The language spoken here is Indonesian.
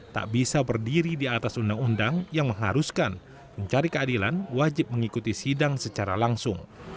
tak bisa berdiri di atas undang undang yang mengharuskan pencari keadilan wajib mengikuti sidang secara langsung